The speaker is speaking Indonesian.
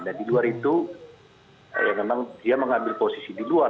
dan di luar itu memang dia mengambil posisi di luar